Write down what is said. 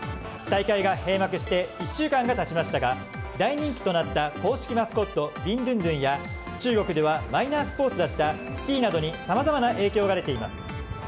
大会が閉幕して１週間が経ちましたが大人気となった公式マスコットビンドゥンドゥンや中国ではマイナースポーツだったスキーなどにさまざまな影響が出ています。